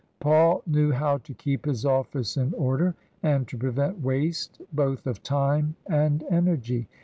Paul knew how to keep his office in order and to pre vent waste both of time and energy.